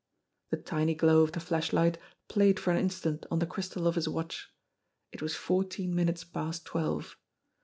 The tiny glow of the flashlight played for an instant on the crystal of his watch. It was fourteen minutes past twelve.